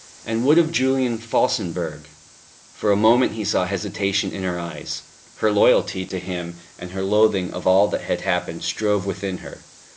And what of Julian Felsenburgh?" For a moment he saw hesitation in her eyes; her loyalty to him and her loathing of all that had happened strove within her.